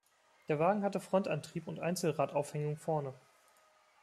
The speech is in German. Der Wagen hatte Frontantrieb und Einzelradaufhängung vorne.